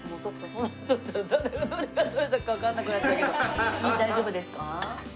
そんなに取ったらどれがどれだかわかんなくなっちゃうけど大丈夫ですか？